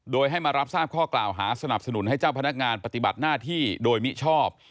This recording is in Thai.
โดยให้มารับทราบข้อกล่าวหาสนับสนุนให้เจ้าพนักงานปฏิบัติหน้าที่โดยมิชอบ